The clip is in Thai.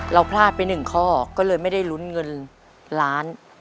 พลาดไปหนึ่งข้อก็เลยไม่ได้ลุ้นเงินล้าน